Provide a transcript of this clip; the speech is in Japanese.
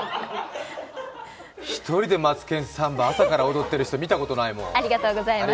１人で「マツケンサンバ」朝から踊ってる人、見たことないもん。